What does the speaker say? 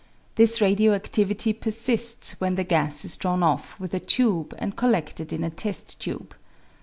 This radio adivity persists when the gas is drawn off with a tube and colleded in a test tube.